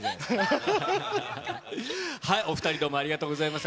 お２人、どうもありがとうございました。